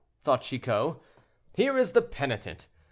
thought Chicot, "here is the penitent.